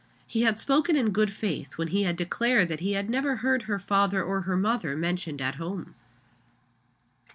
He had spoken in good faith, when he had declared that he had never heard her father or her mother mentioned at home.